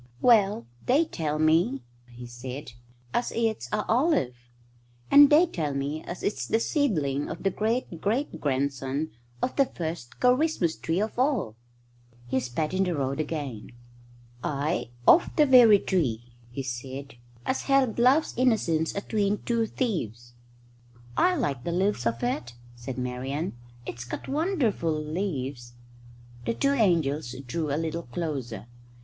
"Well, they tell me," he said, "as it's a olive. And they tell me as it's the seedling of the great great grandson of the first Ker rismus tree of all." He spat in the road again. "Aye, of the very tree," he said, "as held Love's Innocence atween two thieves." "I like the leaves of it," said Marian. "It's got wonderful leaves." The two angels drew a little closer.